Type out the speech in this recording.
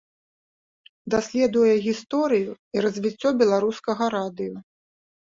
Даследуе гісторыю і развіццё беларускага радыё.